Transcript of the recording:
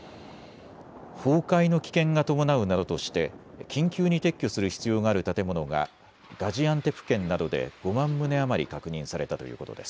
崩壊の危険が伴うなどとして緊急に撤去する必要がある建物がガジアンテプ県などで５万棟余り確認されたということです。